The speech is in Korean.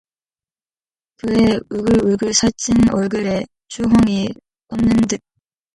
그의 우글우글 살찐 얼굴에 주홍이 덧는 듯